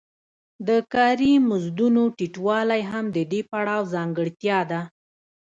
د کاري مزدونو ټیټوالی هم د دې پړاو ځانګړتیا ده